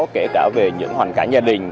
kể cả về những hoàn cảnh gia đình